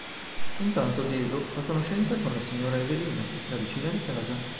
Intanto Diego fa conoscenza con la signora Evelina, la vicina di casa.